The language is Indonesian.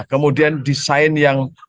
kemudian desain yang